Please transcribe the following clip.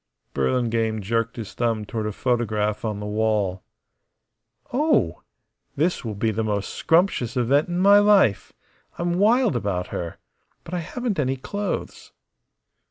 Burlingame jerked his thumb toward a photograph on the wall. "Oh! This will be the most scrumptious event in my life. I'm wild about her! But I haven't any clothes!"